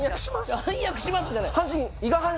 ・「暗躍します」じゃない。